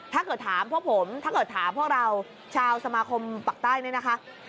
ถ้าเกิดถามพวกเราชาวสมาคมปักใต้นี่นะคะ